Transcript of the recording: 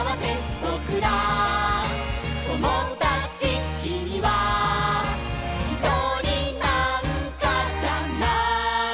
「ぼくらともだち」「きみはひとりなんかじゃない」